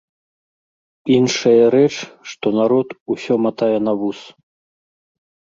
Іншая рэч, што народ усё матае на вус.